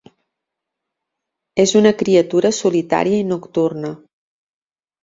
És una criatura solitària i nocturna.